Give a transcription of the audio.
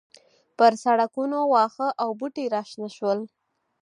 پر سړکونو واښه او بوټي راشنه شول